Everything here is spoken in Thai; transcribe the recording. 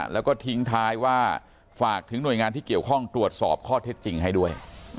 แล้วก็ทิ้งท้ายว่าฝากถึงหน่วยงานที่เกี่ยวข้องตรวจสอบข้อเท็จจริงให้ด้วย